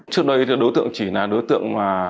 trước đây đối tượng chỉ là đối tượng